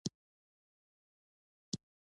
وحشي حیوانات د افغانستان د اقلیم ځانګړتیا ده.